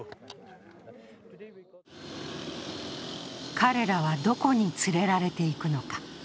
彼らはどこに連れられていくのか。